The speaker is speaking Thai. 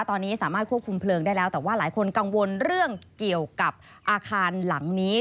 ตอนนี้สามารถควบคุมเพลิงได้แล้วแต่ว่าหลายคนกังวลเรื่องเกี่ยวกับอาคารหลังนี้